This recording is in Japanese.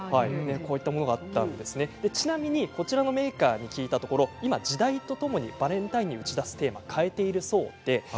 ちなみにこちらのメーカーに聞いたところ時代とともにバレンタインに打ち出すテーマを変えているそうです。